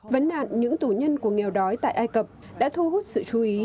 vấn nạn những tù nhân của nghèo đói tại ai cập đã thu hút sự chú ý